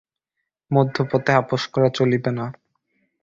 মধ্যপথে আপস করা চলিবে না।